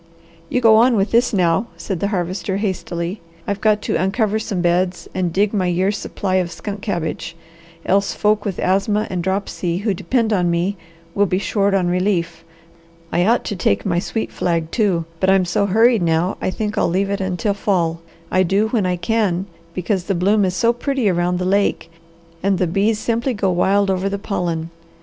"You go on with this now," said the Harvester hastily. "I've got to uncover some beds and dig my year's supply of skunk cabbage, else folk with asthma and dropsy who depend on me will be short on relief. I ought to take my sweet flag, too, but I'm so hurried now I think I'll leave it until fall; I do when I can, because the bloom is so pretty around the lake and the bees simply go wild over the pollen.